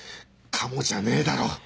「かも」じゃねえだろ。